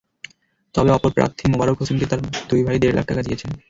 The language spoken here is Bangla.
তবে অপর প্রার্থী মোবারক হোসেনকে তাঁর দুই ভাই দেড় লাখ টাকা দিয়েছেন।